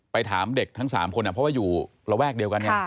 ถามเด็กทั้ง๓คนเพราะว่าอยู่ระแวกเดียวกันเนี่ย